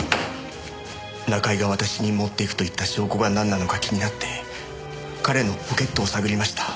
中居が私に持っていくと言った証拠がなんなのか気になって彼のポケットを探りました。